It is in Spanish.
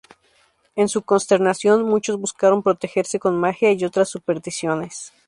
En su consternación, muchos buscaron protegerse con magia y otras supersticiones.